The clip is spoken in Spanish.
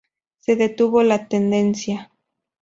Se detuvo la tendencia.